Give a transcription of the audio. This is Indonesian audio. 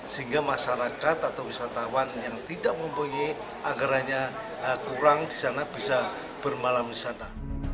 sehingga masyarakat atau wisatawan yang tidak mempunyai anggaranya kurang di sana bisa bermalam di sana